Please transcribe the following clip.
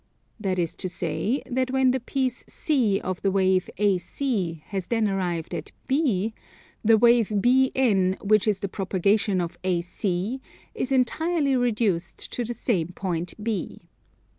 That is to say, that when the piece C of the wave AC has then arrived at B, the wave BN which is the propagation of AC is entirely reduced to the same point B.